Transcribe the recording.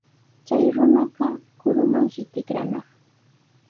Chay runaqa kurumanshi tikranaq.